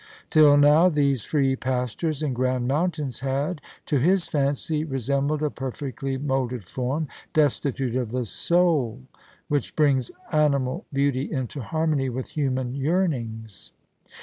Till now, these free pastures and grand mountains had, to his fancy, re sembled a perfectly moulded form, destitute of the soul which brings animal beauty into harmony with human yearn ings.